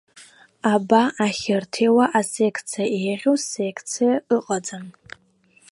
Аба ахьырҭиуа асекциа еиӷьу секциа ыҟаӡам.